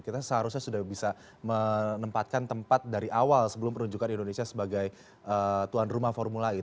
kita seharusnya sudah bisa menempatkan tempat dari awal sebelum perunjukkan indonesia sebagai tuan rumah formula e